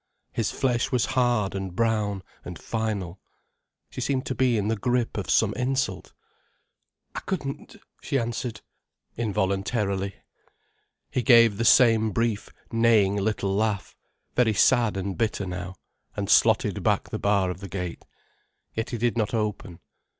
His flesh was hard and brown and final. She seemed to be in the grip of some insult. "I couldn't," she answered, involuntarily. He gave the same brief, neighing little laugh, very sad and bitter now, and slotted back the bar of the gate. Yet he did not open.